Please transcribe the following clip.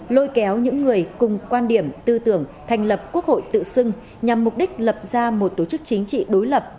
lôi kéo những người cùng quan điểm tư tưởng thành lập quốc hội tự xưng nhằm mục đích lập ra một tổ chức chính trị đối lập